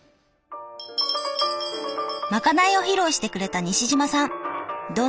まかないを披露してくれた西島さん。